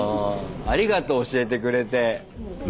あありがとう教えてくれて。